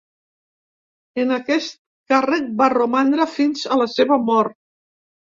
En aquest càrrec va romandre fins a la seva mort.